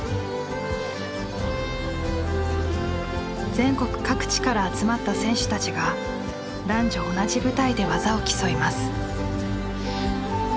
全国各地から集まった選手たちが男女同じ舞台で技を競います。